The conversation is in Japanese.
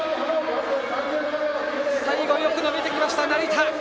最後、よく伸びてきました成田！